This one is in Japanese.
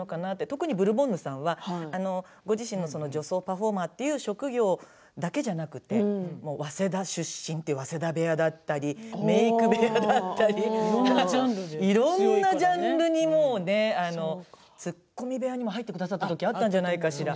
特にブルボンヌさんはご自身の女装パフォーマーという職業だけではなく早稲田出身、早稲田部屋メーク部屋だったりいろんなジャンルに突っ込み部屋にも入ってくださったときあったんじゃないかしら？